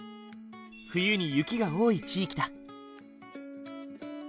冬に雪が多い地域だ。